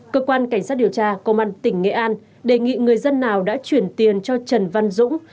cơ quan cảnh sát điều tra công an tỉnh nghệ an đề nghị người dân nào đã chuyển tiền cho trần văn dũng